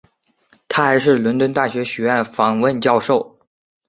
他还是伦敦大学学院访问教授。